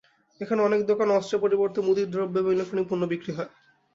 এখানে অনেক দোকানে অস্ত্রের পরিবর্তে মুদির দ্রব্য এবং ইলেকট্রনিক পণ্য বিক্রি হয়।